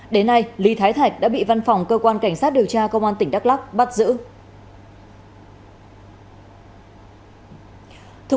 đến nay ly thái thạch đã bị văn phòng cơ quan cảnh sát điều tra công an tỉnh đắk lắc bắt giữ